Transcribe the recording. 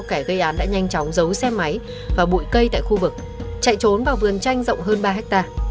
kẻ gây án đã nhanh chóng giấu xe máy và bụi cây tại khu vực chạy trốn vào vườn tranh rộng hơn ba hectare